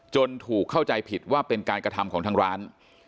ถูกเข้าใจผิดว่าเป็นการกระทำของทางร้าน